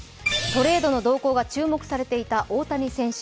トレードの動向が注目されていた大谷翔平選手